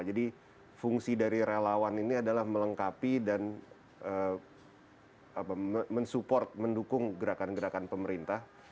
jadi fungsi dari relawan ini adalah melengkapi dan mensupport mendukung gerakan gerakan pemerintah